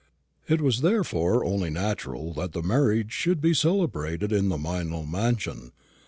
It was therefore only natural that the marriage should be celebrated in the Meynell mansion.